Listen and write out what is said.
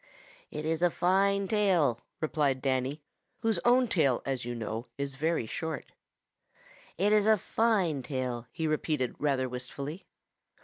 "It is a fine tail," replied Danny, whose own tail, as you know, is very short. "It is a fine tail," he repeated rather wistfully.